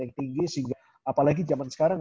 yang tinggi sehingga apalagi zaman sekarang